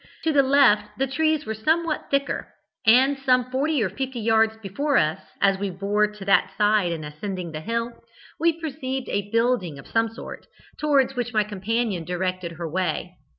To the left the trees were somewhat thicker, and some forty or fifty yards before us, as we bore to that side in ascending the hill, we perceived a building of some sort, towards which my companion directed her way.